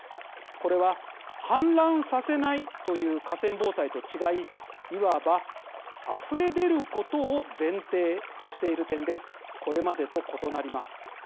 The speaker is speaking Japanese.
これは、氾濫させないという河川防災と違いいわば、あふれ出ることを前提としている点でこれまでと異なります。